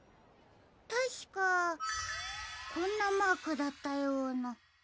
たしかこんなマークだったような。